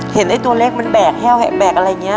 เห็นไอ้ตัวเล็กมันแบกแห้วแหะแบกอะไรเนี่ย